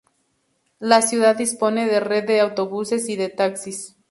La ciudad dispone de red de autobuses y de taxis.